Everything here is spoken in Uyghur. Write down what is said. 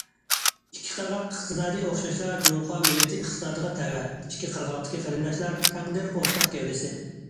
ئىككى قىرغاق ئىقتىسادى ئوخشاشلا جۇڭخۇا مىللىتى ئىقتىسادىغا تەۋە، ئىككى قىرغاقتىكى قېرىنداشلار تەقدىر ئورتاق گەۋدىسى.